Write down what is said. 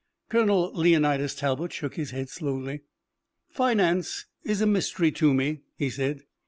Colonel Leonidas Talbot shook his head slowly. "Finance is a mystery to me," he said.